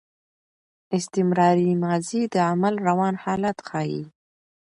استمراري ماضي د عمل روان حالت ښيي.